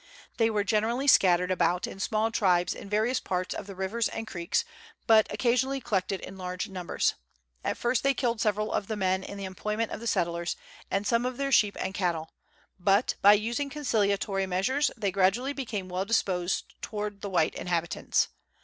They were generally scattered about in small tribes in various parts on the rivers and creeks, but occa sionally collected in large numbers. At first they killed several of the men in the employment of the settlers, and some of their sheep and cattle ; but, by using conciliatory measures, they gradu ally became well disposed towards the white inhabitants.